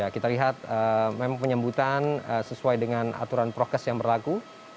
kita lihat memang penyambutan sesuai dengan aturan prokes yang berlaku